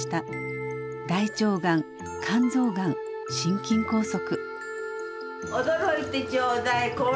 大腸がん肝臓がん心筋梗塞。